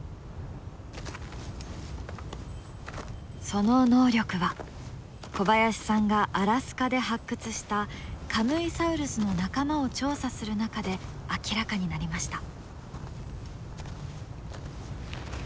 その能力は小林さんがアラスカで発掘したカムイサウルスの仲間を調査する中で明らかになりました。